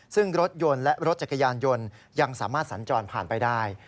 ซึ่งรถยนต์และรถจักรยานยนต์ยังสามารถสัญจรผ่านไปได้